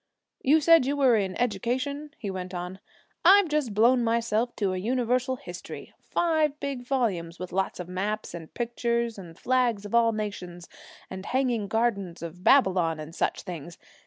You said you were in education,' he went on. 'I've just blown myself to a Universal History five big volumes, with lots of maps and pictures and flags of all nations and hanging gardens of Babylon and such things.